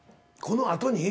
このあとに？